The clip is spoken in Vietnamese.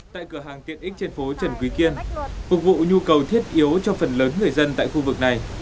tại cửa hàng tiện ích trên phố trần quý kiên phục vụ nhu cầu thiết yếu cho phần lớn người dân tại khu vực này